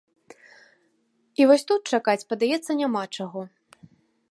І вось тут чакаць, падаецца, няма чаго.